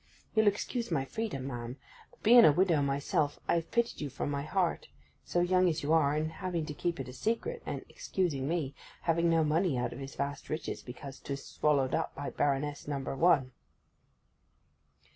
You'll excuse my freedom, ma'am; but being a widow myself, I have pitied you from my heart; so young as you are, and having to keep it a secret, and (excusing me) having no money out of his vast riches because 'tis swallowed up by Baroness Number One.